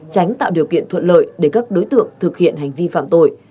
tránh tạo điều kiện thuận lợi để các đối tượng thực hiện hành vi phạm tội